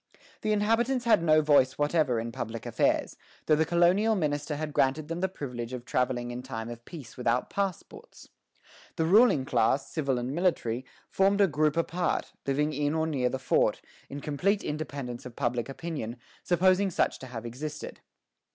The inhabitants had no voice whatever in public affairs, though the colonial minister had granted them the privilege of travelling in time of peace without passports. The ruling class, civil and military, formed a group apart, living in or near the fort, in complete independence of public opinion, supposing such to have existed.